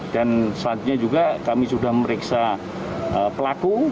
dan selanjutnya juga kami sudah memeriksa pelaku